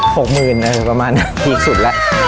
๖๐๐๐๐คือประมาณนั้นดีกว่าสุดแล้ว